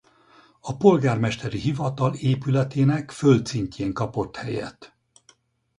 A Polgármesteri Hivatal épületének földszintjén kapott helyet.